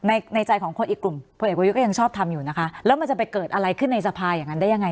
ในในใจของคนอีกกลุ่มพลเอกประยุทธก็ยังชอบทำอยู่นะคะแล้วมันจะไปเกิดอะไรขึ้นในสภาอย่างนั้นได้ยังไง